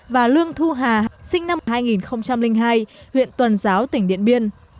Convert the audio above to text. và lương thu hà sinh năm hai nghìn hai huyện tuần giáo tỉnh điện biên